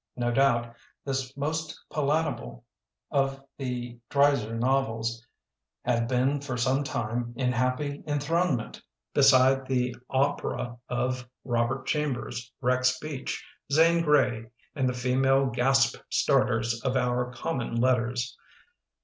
No doubt, this most palatable of the Dreiser novels had been for some time in happy enthronement beside the opera of Robert Chambers, Rex Beach, Zane Grey and the female gasp start ers of our common letters.